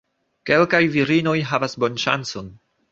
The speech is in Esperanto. Kelkaj virinoj havas bonŝancon.